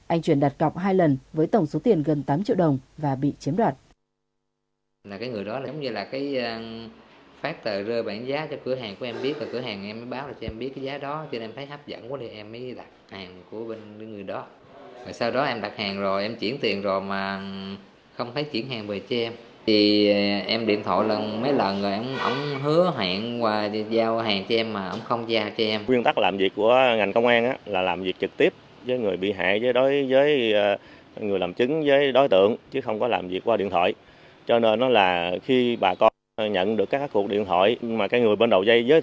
anh chuyển đặt cọc hai lần với tổng số tiền gần tám triệu đồng và bị chiếm đoạt